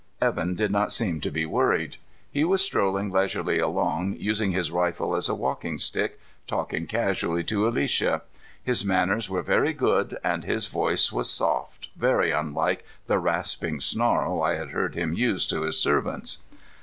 Evan did not seem to be worried. He was strolling leisurely along, using his rifle as a walking stick, talking casually to Alicia. His manners were very good and his voice was soft, very unlike the rasping snarl I had heard him use to his servants.